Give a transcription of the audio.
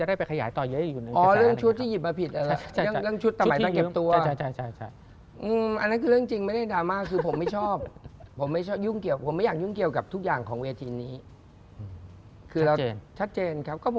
ได้แค่ขยายต่อเยอะอยู่